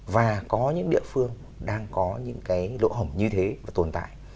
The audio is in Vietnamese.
và có những địa phương đang có những cái lỗ hổng như thế và tồn tại